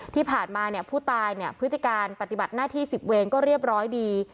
ที่ผ่านมาผู้ตายพฤติการปฏิบัติหน้าที่๑๐เวนก็เรียบร้อยดี